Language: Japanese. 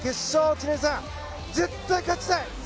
知念さん絶対、勝ちたい！